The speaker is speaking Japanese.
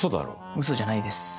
ウソじゃないです。